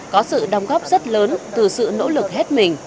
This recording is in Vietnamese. có sự đóng góp rất lớn từ sự nỗ lực hết mình